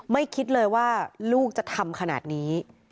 คิดเลยว่าลูกจะทำขนาดนี้